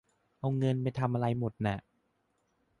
เอาเงินไปทำอะไรหมดนะ